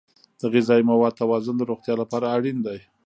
د غذایي موادو توازن د روغتیا لپاره اړین دی.